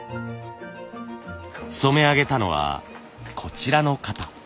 染め上げたのはこちらの方。